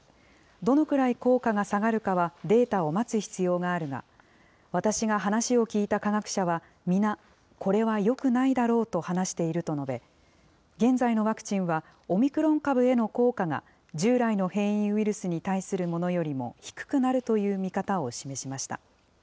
どのくらい効果が下がるかはデータを待つ必要があるが、私が話を聞いた科学者は、皆、これはよくないだろうと話していると述べ、現在のワクチンはオミクロン株への効果が、従来の変異ウイルスに対するものよりも低くなるという見方を示しました。